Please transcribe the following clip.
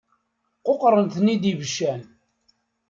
Quqṛen-ten-id ibeccan.